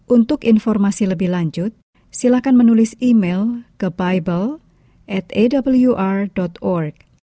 untuk informasi lebih lanjut silakan menulis email ke bible awr org